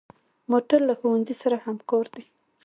موټر له ښوونځي سره همکار دی.